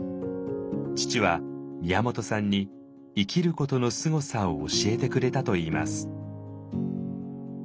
父は宮本さんに「生きることのすごさ」を教えてくれたといいます。